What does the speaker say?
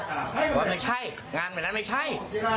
บอกว่าไม่ใช่งานเหมือนนั้นไม่ใช่